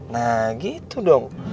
nah gitu dong